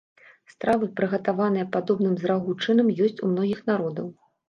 Стравы, прыгатаваныя падобным з рагу чынам, ёсць у многіх народаў.